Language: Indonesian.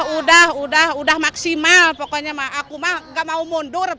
udah udah maksimal pokoknya aku mah gak mau mundur